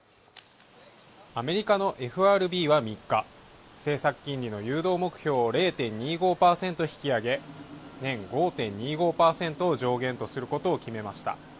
アメリカのＦＲＢは３日、政策金利の誘導目標を０．２５％引き上げ年５．２５％を上限とすることを決めました。